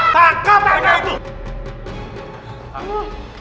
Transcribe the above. tangkap mereka itu